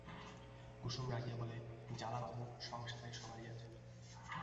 কুসুম রাগিয়া বলে, জ্বালা বাপু সংসারে সবারই আছে।